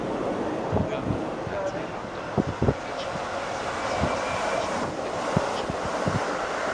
Früher hat man Herzinfarkte oft fälschlicherweise als hysterische Anfälle abgestempelt.